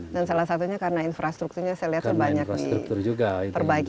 dan salah satunya karena infrastrukturnya saya lihat terbaik